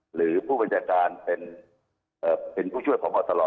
หรือผู้บัญชาการเป็นผู้ช่วยผ่อบอสลอ